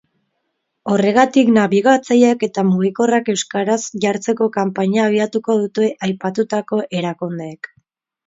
Horregatik, nabigatzaileak eta mugikorrak euskaraz jartzeko kanpaina abiatuko dute aipatutako erakundeek.